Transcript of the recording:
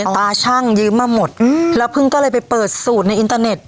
ตาชั่งยืมมาหมดอืมแล้วเพิ่งก็เลยไปเปิดสูตรในอินเตอร์เน็ต